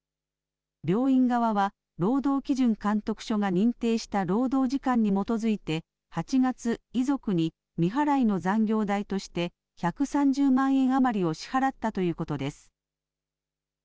病院側は、労働基準監督署が認定した労働時間に基づいて８月、遺族に未払いの残業代として１３０万円余りを支払ったということです。